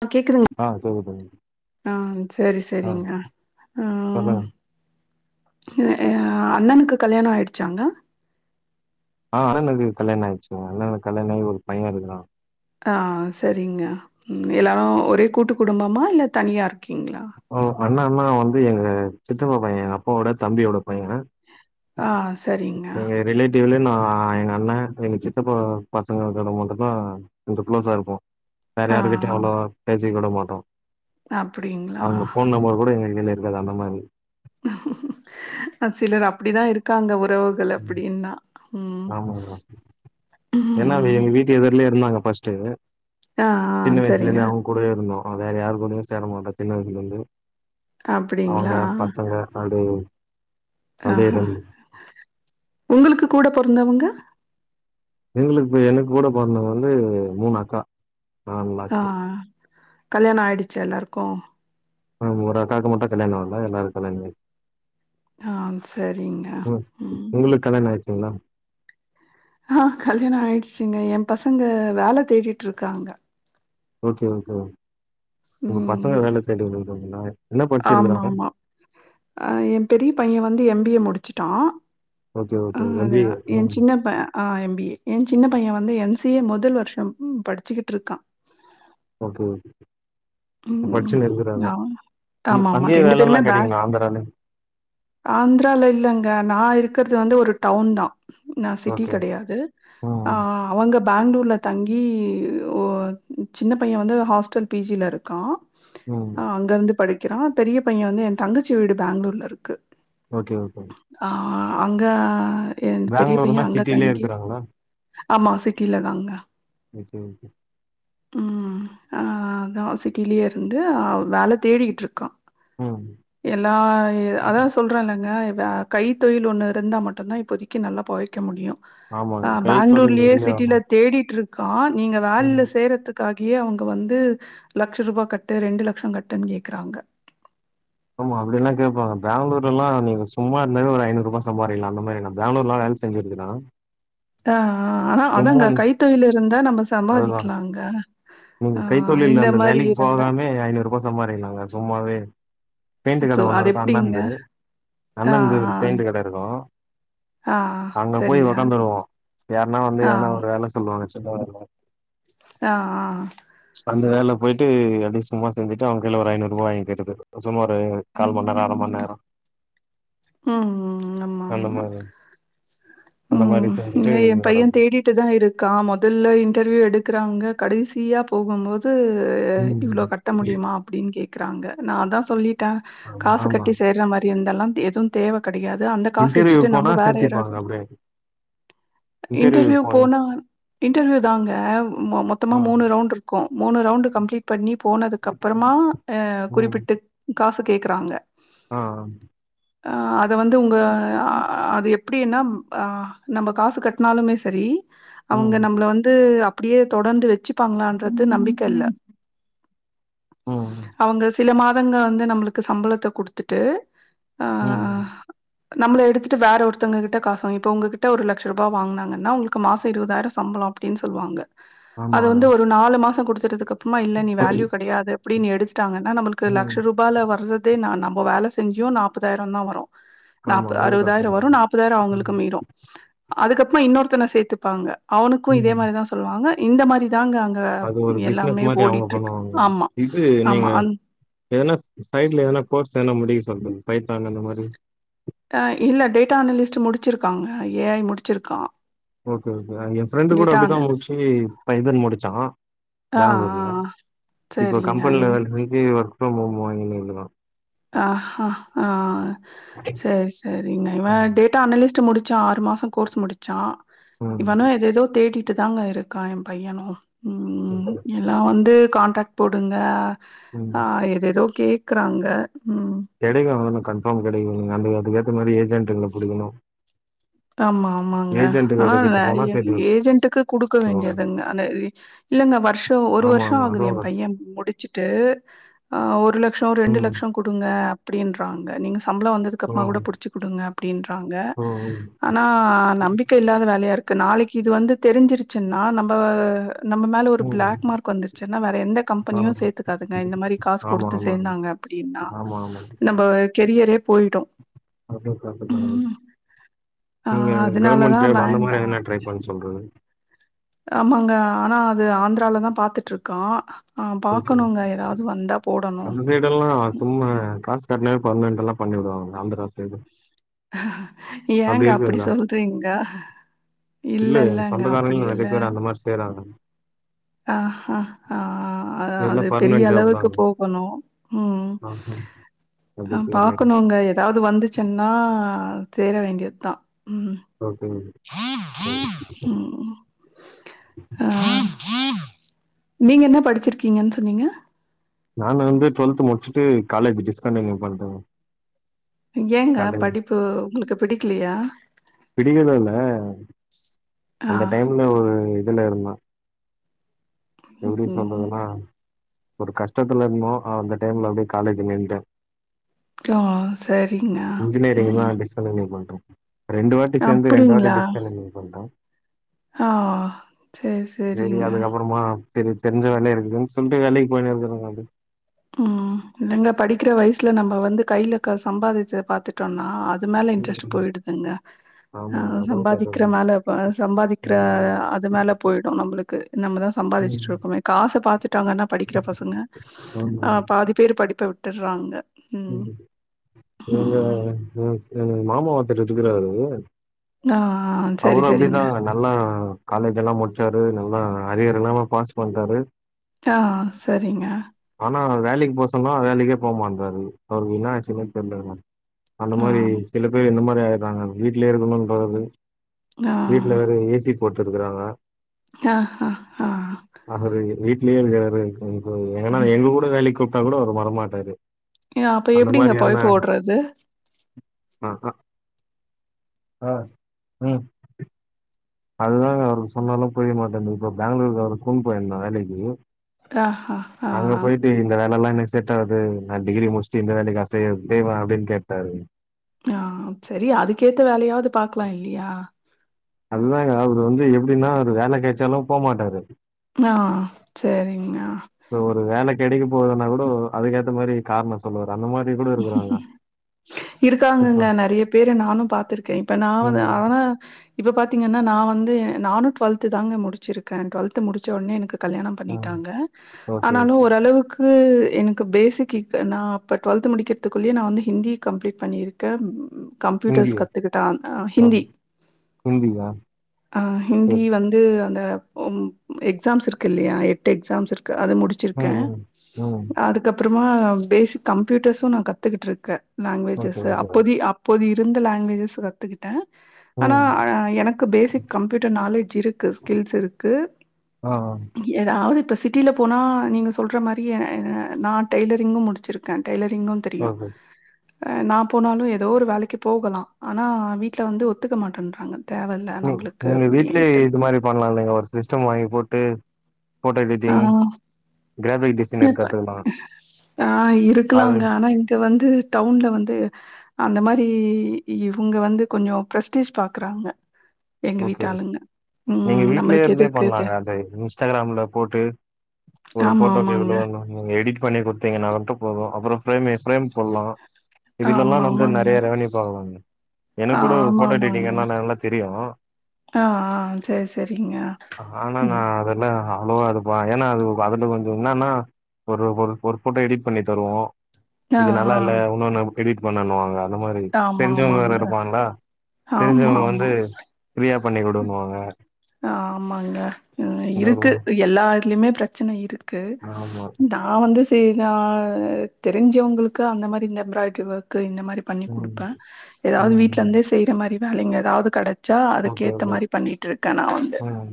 ஹ கேக்குறங்க ஆ கேக்குது ஹ சரி ஆ சரிங்க ஹ சொல்லுங்க ஏ ஏ ஆஹ் அண்ணனுக்கு கல்யாண ஆயிடுச்சாங்க ஆஹ் அண்ணனுக்கு கல்யண ஆயிடுச்சுங்க கல்யாண ஆகி ஒரு பையன் இருக்குறான் ஆஹ் சேரிங்க எல்லாரு ஒரே கூட்டு குடும்பமா இல்ல தனியா இருக் ஓகேங்கலா அண்ண அண்ணா வந்து எங்க சித்தப்ப பைய எங்க அப்பாவோட தம்பியோட பையன் ஆஹ் சேரிங்க ஆஹ் எங்க அண்ணன் எங்க சித்தப்ப பசங்க கூட மட்டு தான் குளோஸ்சா இருப்போம் வேற ஆ யாருக்கிட்ட அவ்வலவா பேசிக்க கூட மாட் அப்டிங்களா அவங்க போன் நம்பர் கூட எங்களு கு இல்ல இது அந்த மாரி ஹ ஹ ஹா சிலர் அப்படிதா இருக்காங்க ஒரு உறவுகள் ம். அப்படின்ன உம் ஆமாங்க உம் உம் பஸ்ட்டு சின்ன வயசுல சரிங்க இருந்து அவங்க கூடவே இருந்தோ ந வேற யாரு கூடமே சேர மாட்டோ சின்ன வயசுல இருந்து அப்டிங்களா அவுங்க பசங்க நடு அப்படியே ஆஹா இருந்து உங்களுக்கு கூட பொறந்தவங்க எங்களுக்கு எனக்கு கூட பொறந்தவங்க வந்து மூணு அக்கா ஆமாஸ்ட் கல்யாணம் ஆயிடுச்ச எல்லாருக்கும் ஆஹ் ஒரு அக்காக்கு மாட்டும் கல்யாண ஆகல எல்லாருக்கும் கல்யாண ஆயிடுச்சு ஆ சரிங்க உம் ம் உங்களுக்கு கல்யாணம் ஆயிருச். இன்னா. ஆஹா கல்யாணம் ஆயிடுச்சுங்க என் பசங்க வேல தேடிட்டு இருக்காங்க. Okay okay ma'am. உங்க பசங்க வேல தேடின்னு. ஒரு நாளைக். ஆமா ஆமா அஹா என் பெரிய பையன் வந்து எம்பிஏ முடு. முடுச்சுட்டா. ஓகே ஓகே எம்பிஏ வா மேம். ஆஹா எம்பிஏ என் சின்ன பையன் வந்து என்சிஏ முதல் வருஷம் படிச்சுகிட்டு இருக்கா. Okay okay. உம் ஹ ம் ஆமா ஆமா அங்கயே ரெண்டு வேலல்லா பேருமே பேங் கெடைக்குமா ஆந்திரால ஆந்திரால இல்லங்க நா இருக். இருக்கிறது வந்து ஒரு டவுன்தா. நா சிட்டி ஓகே ஓகே கிடையாது ம் ஆஹா அவங்க. பெங்களூருல தங்கி ஓ சின்ன பைய வந்து ஹாஸ்டல் பிஜியில்ல இருக். கா. ம் ஆஹா அங்க இருந்து படி. வக்கிறோ. பெரிய பைய வந்து என் தங்கச்சி வீடு பெங்களூர்ல இருக்கு. ஓகே ஓகேங்க. ஆ அங்க. என் பெரிய பெங்களூருனா பையன் அங்க சிட்டிலயே தங்கி இருக்குறாங்களா. ஆமா சிட்டில தாங்க. Okay okay. உம் அஹா தா சிட். டிலியே இருந்து அவ வேல தேடிகிட்டு இருக்கா. ம் எல்லா அதான் சொல்றேன்ல்ங்க. [unintelligible] கைத் தொழில் ஒன்னு இருந்தா மட்டுதா இப்போதக்கி நல்லா பொழைக்க முடியும். ஆமாங்க ஆஹா கைத்தொழில் பெங்களூரிலே இதுலயே சிட்டில ஆமாங்க தேடிட்டு இருக். கான். நீங்க ம் வேலைல சேரத்துக்காக. இங்கயே அவங்க வந்து. லட்ச ரூபா கட்டு ரெண்டு லட்சம் கட்டுன்னு கேக்குறாங்க. ஆமா அப்படில்லாம் கேப்பாங்க பெங்களூர்ல்லா நீங்க சும்மா இருந்தாலே ஒரு ஐநூறு ரூபா சம்பாரிக்கலாம் அந்த மாரி நான் பெங்களூர் எல்லாம் வேல செஞ்சிருக்குற. ஆஹ. ஆஹ ஆனா அதாங்க கைத்தொழில் இருந்தா நம்ம அதுதா சம்பாதிக்கலாம்ங்க. நீங்க கைத்தொழில் அந்த வேலைக்கு போகாமே ஐநூறு ரூபா சம்பாரிகுலாங்க சும்மாவே. பெயிண்டு சோ கடை ஒண்ணு அது இருக்கும் எப்டிங்க அண்ணன்து ஆ அண்ணன்ந்து பெயிண்டு கடை இருக்கும் ஆ ஆ அங்க போய் சரிங்க உக்காந்துருவோம் யாருனா வந்து ஆ எதனா ஒரு வேலை சொல்லுவாங்க டிஸ்டப்பா இருக்கும் ஆஹ் ஆஹ் அந்த வேலை போயிட்டு அது சும்மா செஞ்சிட்டு அவங்க கீழே ஒரு ஐநூறு ரூபா வாங்கிருது சும்மா ஒரு கால் மண்நேரம் அரமண் நேரம் உம் உம் ஆமா ஆமா மாரி அந்த மாரி உம் செஞ்சுட்டு இல்ல என் பையன் வர்றது தேடிட்டு தான் இருக்கான் முதல்ல இன்டர்வியூ எடுக்குறாங்க கடைசி சியா போகும்போது வந்து இவ்ளோ ம் கட்ட முடியுமா அப்டினு கேட்குறாங்க நான் தான் சொல்லிட் டேன் ஆமா காசு ஆமா கட்டி சேர்ற மாரி இருந் இதெல்லாம் தே எதும் தேவ கிடைகாது அந்த காசு இன்டர்வியூ வச்சிட்டு போனா நம்ம வேற சேத்திப்பாங்க ஏதாச்சும் அப்டியே இன்டர்வியூ போன இன்டர்வியூ தாங்க மொ மொத்த ஆ மூணு ரவுண்ட் இருக்கும் மூணு ரவுண்ட் கம்ப்ளீட் பண்ணி போனதுக்கு அப்புறமா குறிப்பிட்டு காசுக் கேக்குறாங்க ஆஹ் ஆஹ் அத வந்து உங்க ஆ அது எப் எப்டின்னா ஆ நம்ம காசு கட்டுனாலுமே சரி அவுங்க ம் நம்மள வந்து அப் அப்டியே தொடந்து வச்சு ப்பங்களான்றது நம்பிக்கை இல்ல ம் அவுங்க சில மாதங்க வந்து நம்பளுக்கு சம்பளத்த குடுத்துட்டு ஆ உம் நம்மள எடுத்துட்டு வேற ஒருத்தவங்க கிட்ட காசுவாங்கி இப்ப உங்ககிட்ட ஒரு லட்ச ரூபா வாங்னாங்கன்னா உங்களுக்கு மாசம் இருபதாயிரம் சம்பளம் அப்படின்னு சொல்லுவாங்க அது ஆமாங்க வந்து ஒரு நாலு மாசம் குடுத்தறதுக்கு அப்புறமா இல்ல நீ வேல்யூ கிடையாது அப்படின்னு எடுத்துட்டாங்கன்னா நமளுக்கு ம் லட்சம் ரூபால வர்றதே நான் நம் வேல செஞ்சும் நான் முப்பதாயிரம் தான் வரும் ஆமா நாப் அதுவும் கரெக்ட் தான் அறுபதாயிரம் சொல்லுவாங்க. வரும் நாப்பதாயிரம் அவுங்களுக்கு ம் மீறும் அதுக்கப்பறம் இன்னொருத்தன சேத்துப்பாங்க அவனுக்கும் இதே ம் மாரிதான் சொல்லுவாங்க இந்த மாரி தாங்க அங்க அது ஒரு பிசினஸ் எல்லாமே மாரி அவுங்க ஓடிட்ருக்கு. பண்ணுவாங்க ஆமா, இது ஆமா. நீங்க அந் எதனா சைட்ல எதனா கோர்ஸ் என்ன முடிக் சொல்ற பைத்தாங்க அந்த மாரி ஆஹ் இல்ல டேட்டா அனலிஸ்ட் முடிச்சிருக்காங்க ஏ ஐ முடிச்சிருக்கான் ஓகே ஓகே என் ஃப்ரெண்டு் கூட டேட்டா அன அப்படிதான் முடிச்சு பைதன் முடிச்சான் ஆ ஆ பெங்களூர்ல ஆ இப்போ சரிங்க. கம்பெனி இவ் லெவல் ஒர்க் அப்பு வாங்கினு இக்ரான் ஆஹ் ஹ ஆஹ் சேரி சேரி இவன் டேட்டா அனலிஸ்ட் முடிச் சான் ஆறு மாசம் கோர்ஸ் முடிச்சான் ம் இவனோ எதுஎதோ தேடி விட்டு தாங்க இருக்கான் என் பையனும் உம் எல்லாம் வந்து கான்ட்ராக்ட் போடுங்க ம் ஆஹ் ஏதுஏதோ கேக் க்றாங்க ஹீம் கெடைக்கும் கன்ஃபார்ம் கெடைக்குங்க அந்த அதுக்கேத்த மாதிரி ஏஜென்ட்ங்களை புடிகணும் ஆமா ஆமாங்க ஆஹ் போனா நறைய சேர்த்து ஏஜென்ட்க்கு குடுக்க விட்டுருவாங்க வேண்டியதுங்க இல்லங்க வருஷம் ஒரு ஆமா வருஷம் ஆமா ஆகுது என் அதுவும் பையன் முடிச்சு ட்டு ஒரு லட் லட்சம் ரெண்டு ம் லட்சம் குடுங்க அப்பிடின்றாங்க நீங்க சம்பளம் வந்ததுக்கு அப்புமா கூட ம் புடிச்சு குடுங்க அப்படின்றாங்க ம் ஆனா நம்பிக்கை இல்லாத வேலையா இருக் நாளைக்கு இது வந்து தெரிஞ்சிருச்சுன்னா நம்ம நம்ம மேல ஒரு ம் பிளாக் மார்க் வந்துருச்சுன்னா வேற எந்த ஆ கம்பெனியும் சேத்துக்காதுங்க இந்த மாரி காசு ஆமா குடுத்து ஆமா சேந்தாங்க அப்படின்னா ஆமா ஆமா நம்ம கெரியரே போயிடும் அதுவும் தாங்க ஆ நீங்க அதனால கவர்மெண்ட் தான் ஜாப் அந்த மாரி வேண்டாம். என ட்ரை பண்ண சொல்றது ஆமாங்க ஆனா அது ஆந்திராலதான் பாத்துட்டுருக் கான் ஓகே அந்த சைடல்லாம் சும்மா காச கட்ணா பர்மென்டல்லாம் பண்ணி விடுவாங்க ஆந்திரா சைடு ஏங்க அப்படி அப்டி இருக்குதா சொல்றீங்க இல்ல இல்லல்லங்க அப்படி சொந்தக்காரங்களும் இல்ல நிறைய பேர் அந்த மாதிரி செய்யறாங்க ஆஹ் ஆஹ் ஆஹ் ஆஹ் அது எல்லாம் பெரிய பர்மனெண்ட் ஜாப் அளவுக்கு தாங்க போகணும் உம் ஆஹா. அப்படி சரி பாக்கணுங்க ஏதாவது வந்துச்சுன்னா சேர வேண்டியத் தான் ம் ஓகேங்க [inaudible] ம். ஆ நீங்க என்ன படிச்சிருக்கீங்கன்னு சொன்னீங்க நான் வந்து டுவெல்த் முடிச்சுட்டு காலேஜ் டிஸ்கண்டிநியூவ் பண்ணிட்டோங்க. ஏங்க [unintelligible] படிப்பு உங்களுக்கு பிடிக்கலையா? பிடிகிறதுல்ல ம்ச் ஆ அந்த டைம்ல ஒரு இதுல இருந்த. ம். எப்படி ம். சொல்றதுன்னா. ஒரு கஷ்டத்துல இருந்தோ அந்த டைம்ல அப்படியே காலேஜ் நின்ட்ட. ஆஹ சேரிங்க இன்ஜினியரிங்தா உம். டிஸ்கண்டினியூ பண்ட்டோ ரெண்டு வாட்டி சேர்ந்து ரெண்டு வாட்டி டிஸ்கண்டிநியூவ் பண்ணிட்டோ. ஆஹ சேரி சேரி சேரிங்க. அதுக்கப்புறமா சேரி தெரிஞ்ச வேலையே இருக்குதுன்னு சொந்த வேலைக்கு போய்ட்டு இருந்தங்க அப்படியே. உம் இங்க படிக்கிற வயசுல நம்ம வந்து கையில சம்பாதிச்சத பாத்துட்டோம்னா அது. அது மேல இன்ட்ரெஸ்ட் ம் போயிடுதுங்க. ஆமாங்க அஹ அதா சம்பாதிக்கிற கதவு மேல சம்பாதிக்கிற அது மேல போயிடும் நம்மளுக்கு நம்மதா சம்பாதிச்சுட்டு இருக்கோமே காசு பாத்துட்டாங்கன்னா படிக்கிற பசங்க. ஆஹ பாதி பேர் படிப்ப விட். விட்டுறாங்க. ம் உம் எங்க ம் எங்க மாமா ஒருத்தர் இருக்குறாரு. உ. ஆ சரி அவரும் சரிங்க அப்படிதா நல்லா காலேஜ் எல்லாம் முடிச்சாரு. நல்லா அரியர் இல்லாம பாஸ் பண்ணிட்டாரு. ஆ சரிங்க ஆனா வேலைக்கு போ சொன்னா வேலைக்கே. போமாட்ராரு. அவருக்கு இன்னாச்சினே தெரியிலங்க. அந்த ஆ மாதிரி சில பேர் இந்த மாதிரி ஆயிட். தாங்க வீட்லயே இருக்கனும்றது. வீட்ல வேற ஏசிட். போட்டிருக்குறாங்க. ஆஹ ஆஹ ஆஹ. லியே வேர இருக்கனு. ஏன்னா எங்க கூட வேலைக்கு கூப். டா கூட அவரு வரமாட்டாரு. ஏ அப்ப எப்படிங்க போழப்பு ஓடுறது. ஆஹஹா ஆஹ உஹம். அதுதாங்க அவருக்கு சொன்னாலு புரிய மாட்டேன்து இப்ப பெங்களூருக்கு வேற அவர கூப்புன்னு போயிந்த வேலைக்கி. ஆ ஆ அங்க ஆ போயிட்டு இந்த வேல எல்லா எனக். செட் ஆவாது நா டிகிரி முடிச்சிட்டு இந்த வேலைக்கா செய்-செய்வ அப்டின்னு கேட்டாரு. ஆ சரி அதுக்கேத்த வேலையாவது பாக்கலாம் இல்லையா? அதுதாங்க அவரு வந்து எப்டின்னா ஒரு வேல கெச்சாலு போமாட்டாரு. ஆஹ் சேரிங்க கிடைக்கு போறதுன்னா கூட அதுக்கேத்த மாரி கார்னோம் சொல்லுவாரு அந்த மாரி கூட இருக்குறாங்க இப்ப இருக்காங்கங்க நெறைய பேரு நானு பாத்திருக்கேன் இப்ப நா வந்து ம் ஆனா இப்ப பா த்திங்கன்னா நா வந்து நானும் ட்வெல்து தாங்க முடிச்சிருக்கே ட்வெல்து முடிச்ச உடனே எனக்கு கல்யாணம் ம் பண்ணிட்டாங்க ஓகே ஓகே ஆனாலும் ஓரளவுக்கு எனக்கு எனக்கு பேசிக் இப்ப நா அப்ப ட்டுவெல்த் முடிக்கிறதுக்குள்ளயே நான் வந்து ஹிந்தி கம்ப்ளீட் பண்ணியிருக்க கம்ப்யூட்டர்ஸ் ஹிந்தியா கத்துக்கிட்டா அ அ ஓகே ஹிந்தி ஹிந்தியா ஹ ஹிந்தி சரி வந்து அந்த உம் எக்ஸாம்ஸ் இருக்குல்லையா எட்டு எக்ஸாம்ஸ் இருக் கு அது ம் முடிச்சிருக்கேன் ம் ம் அதுக்கப்புறமா பேசிக் கம்ப்யூட்டர்ஸு நா கத்துகிட்டு இருக்க ஓகே லாங்குவேஜஸ்ஸு ஓகே அப்போதி அப்போதி ருந்த லாங்குவேஜஸ் கத்துக்கிட்டேன் ஆனா ம் எனக்கு பேசிக் கம்ப்யூட்டர் நாலேஜ் இருக்கு ஸ்கில்ஸ் இருக்கு ஆ ஆ ஏதாவது ப சிட்டியில போனா நீங்க சொல்ற மாரியே நா டெய்லரிங்கும் முடிச்சிருக்கேன் டெய்லர் ரிங்கும் தெரியும் ஓகே நா போனாலும் ஏதோ ஒரு வேலைக்கு போகலாம் ஆனா வீட்டுல வந்து ஒத்துக்க மாட்டேன்றாங்க தேவல்ல ம் நம்மளுக்கு உங்க வீட்லயே அப்டின்ட்டு. இது மாரி பண்ணலா இல்லைங்க ஒரு சிஸ்டம் வாங்கி போட்டு போட்டோ எடிட்டங் இப்ப ஆஹ் அது இருக்கலாங்க ஆனா இங்க வந் து டவுன்ல வந்து அந்த மாரி இவுங்க வந்து கொஞ்ச பிரஸ்டீஜ் பாக்குறாங்க எங்க ஓகே ஓகே வீட்டாளுங்க. நீங்க ம் நம்மளுக்கு வீட்லேருந்தே எதுக்கு இது? பண்ணலாங்க அத இன்ஸ்டாகிராம்ல போட்டு ஒரு ஆமா, போட்டோ எவ்வுளோ ஆமாங்க. [unintelligible] எடிட் பண்ணி குடுத்திங்ன்னா மட்டு போதும் அப்புறோ ஃப்ரேமே ஃப்ரேம் போட்லாம் இது நல்லா ஆமா, நம்மக்கு ஆமாங்க. நெறைய ரெவன்யூ பாக்காளாங்க ஆ எனக்கூட போட்டோ எடிட்டிங்ல நல்லா தெரியும் ஆஹ் ஆஹ் சேரி சேரிங்க ஆனா நா உம் அதெல்லா அவ்ளோவா இப்பான் ஏன்னா அது அதுல கொஞ்ச என்னான்னா ஒரு ஒரு போட்டோ எடிட் பண்ணி தருவோம் ஆ, இது நல்லா ஆ. இல்ல ஒன்னொன்னு எடிட் பண்ணணுவாங்க அந்த மாரி ஆமா, தெரிஞ்சவங்க வேற ஆமாங்க. இருப்பாங்களா ஆமா, தெரிஞ்சவங்க ஆமா. வந்து ஃப்ரியா பண்ணி குடுன்னுவாங்க ஆமாங்க இருக்கு எல்லாதுலயுமே பிரச்சனை இருக்கு ஆமா நான் வந்து [unintelligible] தெரிஞ்சவங்களுக்கு அந்த மாரி அந்த எம்ப்ராய்டரி ஒர்க் இந்த மாரி பண்ணி ம் குடுப்பேன் எதாவது ம் வீட்டுல ம் இந்தே செய்யற மாரி வேலைங்க எதாவது கட ச்சா அதுக்கு ஓகே ஏத்த ஓகே மாரி பண்ணிற்று நான் வந்து ம்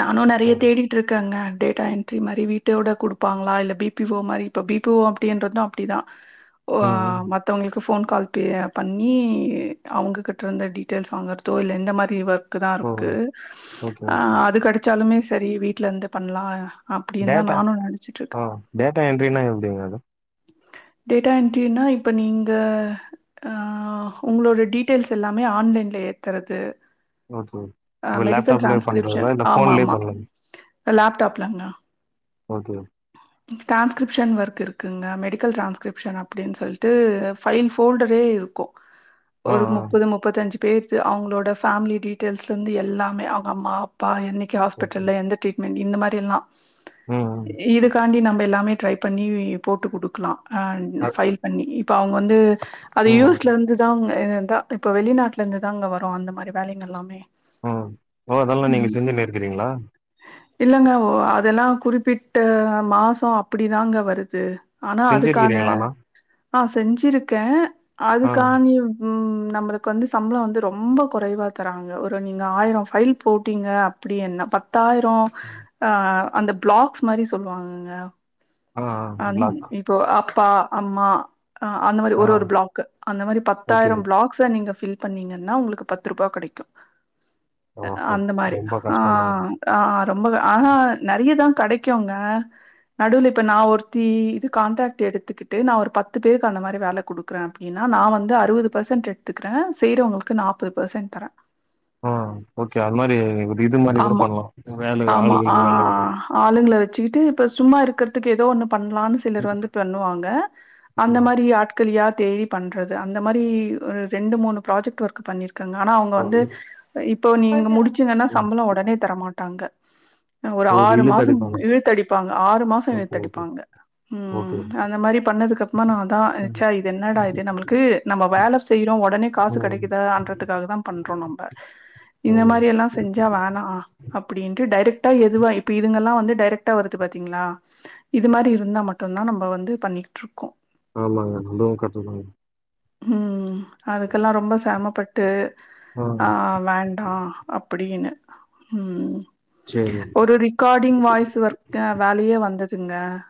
நானும் நறைய சரி தேடிட்டு இருக்கேன் அண்ணே டேட்டா என்டரி மாரி வீட்டோட குடுப்பாங்களா இல்ல பி பி ஒ மாரி இப்ப பி பி ஒ அப்டின்றதும் அப்படிதான் ஓ ம் ம் மத்தவங்களுக்கு ஃபோன் கால் பே பண்ணி அவங்க கிட்ட இருந்த டீட்டெய்ல்ஸ் வாங்கறதோ இல்லை எந்த மாதிரி ஒர்க் கிருதான் ஓ இருக்கு ஓகே ஆஹ ஓகே அது கிடைச்சாலுமே சரி வீட்லந்து பண்ணலாம் டேட்டா ஆஹ டேட்டா என்ட்ரினா எப்படிங்க அது டேட்டா என்ட்ரினா இப்ப நீங்க அஹ உங்களோட டீட்டெய்ல்ஸ் எல்லாமே ஆன்லைன்ல ஏத்துறது ஒ கே இப்ப மெடிக்கல் லேப்டாப்ல பண்றதா டிரான்ஸ்கிரிப்ஷன் இல்ல ஆமா போன்லேயே ஆமா பண்ணல லேப்டாப்லங்க ஓக்கே டிரான்ஸ்கிரிப்ஷன் ஒர்க் இருக்குங்க மெடிக்கல் டிரான்ஸ்கிரிப்ஷன் அப்படின்னு சொல்லிட்டு ஃபைல் ஃபோல்டரே இருக்கோம் ஆ ஒரு ஆ முப்பது முப்பத்த அஞ்சு பேர்த்து அவங்களோட ஃபேமிலி டிட் டியல்ஸ் வந்து எல்லாமே அவங்க அம்மா அப்பா என்னைக் கே ஓகே ஹஸ்பிட்டில்ல எந்த டீட் மே பி இந்த மாரி எல்லாம் ம் ம் இதுக்காண்டி நம்ம எல்லாமே ட்ரை பண்ணி போட்டு குடுக்கலாம் ஹன்னு அத் ஃபைல் பண்ணிப் இப்போ அவங்க வந்து அது ம் யூஸ்ல இருந்துதா அவங்க ந்தா இப்ப வெளிநாட்டுல இந்து தான் அங்க வரும் அந்த மாரி வேலைகள் எல்லாம் உம் ஓ அதெல்லாம் நீங்க செஞ்சுனுக்கிறீங்களா இல்லங்க ஓ அதெல்லாம் குறிப்பிட்ட மாசம் அப்படிதாங்க வருது ஆனா அதுக்கான செஞ்சிருக்கிறீங்களாண்ணா ஆஹ் செஞ்சிருக்கேன் ஆ அதுக்கா நீ உம் நம்மளுக்கு வந்து சம்பளம் வந்து ரொம்ப குறைவா தராங்க ஒரு நீங்க ஆயிரம் பைல் போட்டீங்க அப்படி என்ன பத்து பத்தாயிறோம் ஆஹ் அந்த பிளாக்ஸ் மாரி சொல்வாங்கங்க ஆ ஆ அஹ் பிளாக் இப்போ அ ப்பா அம்மா அ அந்த மாரி ஆ ஒரு ஒரு பிளாக் அந்த மாரி ஓகே பத்தாயிரம் பிளாக்ஸ நீங்க ஃபில் பண்ணீங்கன்னா உங்களுக்கு பத்து ரூபா கெடைக்கு அ ஓஹோ அந்த மாரி ரொம்ப கஷ்டந்தா ஆஹ் ஆஹ் ரொம்ப ஆ ஆ நெறையதா கெடைக்குங்க நடுவில இப்ப நா ஒருத்தி இது கான்ட்ராக்ட் எடுத்துக்கிட்டு நா ஒரு பத்து பேருக்கு அந்த மாரி வேல குடுக்குறே அப்டின்னா நா வந்து அறுபது பெர்சன்ட் எடுத்துக்கிறே செய்யறவங்களுக்கு நாப்பது பர்சன்ட் தரே ஹம் ஓகே அது மாரி இது மாரி கூட ஆமா பண்லா வேல ஆளுகளுக்கு வேலை [unintelligible] வச்சிட்டு இப்ப சும்மா இருக்கிறதுக்கு ஏதோ ஒன்னு பண்லான்னு சிலர் வந்து பண்ணுவாங்க அந்த ஆமா. மாரி ஆட்கள் யார் தேடி பண்றது அந்த மாரி ஒரு ரெண்டு மூணு ப்ராஜெக்ட் ஒர்க் பண்ணிருக் குங்க ஆனா அவங்க வந்து இப்போ நீங்க முடிச்சீங்கன்னா ம் சம்பளோ உடனே தரமாட்டா ங்க அ ஒரு ஆறு மாசம் இழுத்தடிப்பாங்க ஆறு மாசோ ஓகே ஓகே இழுத்தடிப்பாங்க உம் ஓகே அந்த மாரி பண்ணதுக்கு அப்புறமா நாதா ம் ச்சே இது என்னடா இது நம்மளுக்கு நம்ம வேல செய்யறோ ஒடனே காசு ம் கெடைக்குதுன்றதுக்காகதா பண்றோ நம்ம அ இந்த சேரிங்க மாரி எல்லா செஞ்சா வேணா அப்டின்ட்டு டைரக்ட்டா எதுவா இப்ப இது ல்லா வந்து டைரக்டா வருது பாத்தீங்களா இது மாரி இருந்தா மட்டும்தா நம்ப வந்து பண்ணிட்ருக்கோ ஆமாங்க அதுவு கரெக்டுதாங்க உம் அதுக்கெல்லா ரொம்ப செரமப்பட்டு ஆ ஆஹ் வேண்டா அப்படின்னு உம் சேரிங்க ஒரு ரிக்கார்டிங் வாய்ஸ் ஒர்க் வேலையே வந்தது ங்க